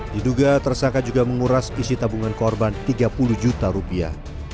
diduga tersangka juga menguras isi tabungan korban tiga puluh juta rupiah